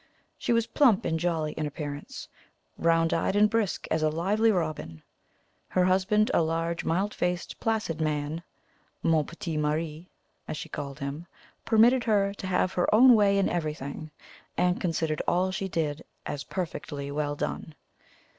She was plump and jolly in appearance; round eyed and brisk as a lively robin. Her husband, a large, mild faced placid man "mon petit mari," as she called him permitted her to have her own way in everything, and considered all she did as perfectly well done.